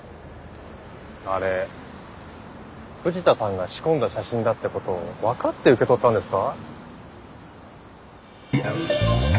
あれ藤田さんが仕込んだ写真だってことを分かって受け取ったんですか？